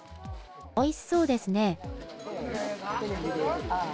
おいしそうですね。